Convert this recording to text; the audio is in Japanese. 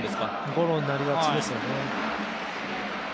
ゴロになりがちですね。